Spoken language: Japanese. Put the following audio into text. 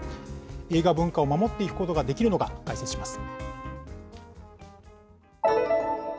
映画文化を守っていくことができるのか、解説します。